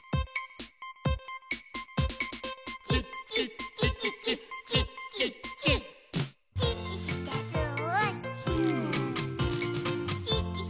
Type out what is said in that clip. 「チッチッチッチッチッチッチッチッ」「チッチしてスー」ス